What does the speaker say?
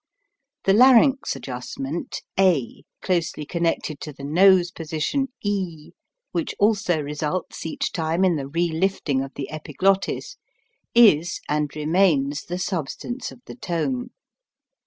The larynx adjustment a closely connected to the nose position e, which also results each time in the relifting of the epiglottis, is and remains the substance of the tone.